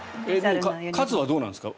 数はどうなんですか？